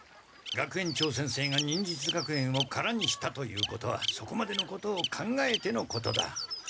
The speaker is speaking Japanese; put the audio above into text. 学園長先生が忍術学園を空にしたということはそこまでのことを考えてのことだ。